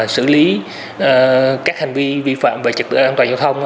xử lý các hành vi vi phạm về trật tự an toàn giao thông